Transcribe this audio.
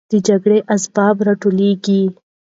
د جګړې اسباب راټولېږي.